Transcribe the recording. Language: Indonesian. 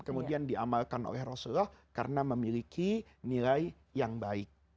kemudian diamalkan oleh rasulullah karena memiliki nilai yang baik